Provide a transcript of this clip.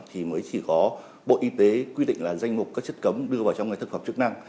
thì mới chỉ có bộ y tế quy định là danh mục các chất cấm đưa vào trong thực phẩm chức năng